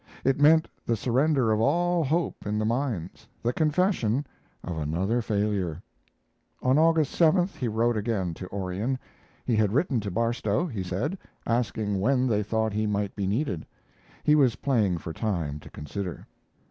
It meant the surrender of all hope in the mines, the confession of another failure. On August 7th he wrote again to Orion. He had written to Barstow, he said, asking when they thought he might be needed. He was playing for time to consider.